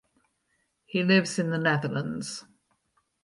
He lives in the Netherlands.